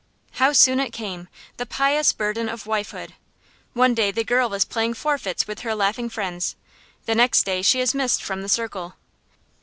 How soon it came, the pious burden of wifehood! One day the girl is playing forfeits with her laughing friends, the next day she is missed from the circle.